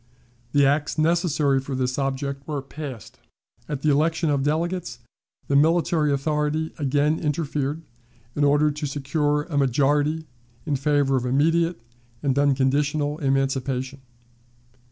The acts necessary for this object were passed. At the election of delegates, the military authority again interfered in order to secure a majority in favor of immediate and unconditional emancipation.